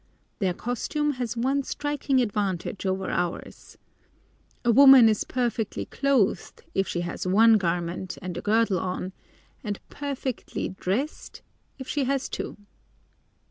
Their costume has one striking advantage over ours. A woman is perfectly clothed if she has one garment and a girdle on, and perfectly dressed if she has two.